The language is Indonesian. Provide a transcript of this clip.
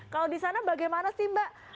kalau di sana bagaimana sih mbak